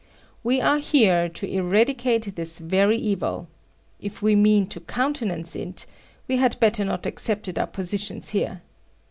We are here to eradicate this very evil. If we mean to countenance it, we had better not accepted our positions here.